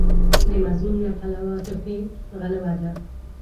د مضمون له پلوه عاطفي غلوه ده.